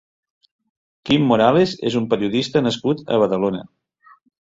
Quim Morales és un periodista nascut a Badalona.